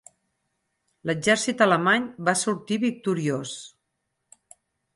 L'exèrcit alemany va sortir victoriós.